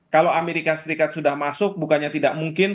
kalau amerika serikat sudah masuk bukannya tidak mungkin